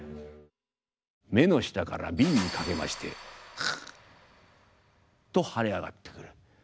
目の下から鬢にかけましてカッと腫れ上がってくる。